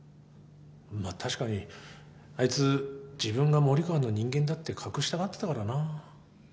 まあ確かにあいつ自分が森川の人間だって隠したがってたからな。